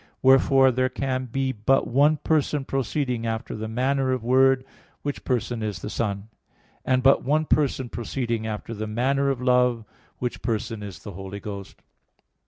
Wherefore there can be but one person proceeding after the manner of word, which person is the Son; and but one person proceeding after the manner of love, which person is the Holy Ghost.